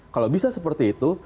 kalau bisa seperti itu